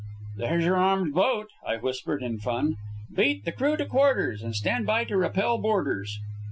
"There's your armed boat," I whispered in fun. "Beat the crew to quarters and stand by to repel boarders!"